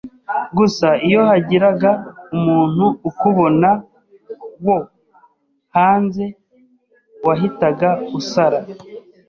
gusa iyo hagiraga umuntu ukubona wo hanze wahitaga usara